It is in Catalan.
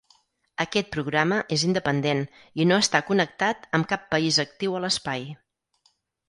Aquest programa és independent i no està connectat amb cap país actiu a l'espai.